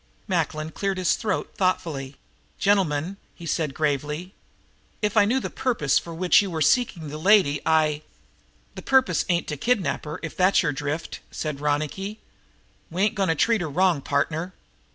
Macklin cleared his throat thoughtfully. "Gentlemen," he said gravely, "if I knew the purpose for which you are seeking the lady I " "The purpose ain't to kidnap her, if that's your drift," said Ronicky. "We ain't going to treat her wrong, partner.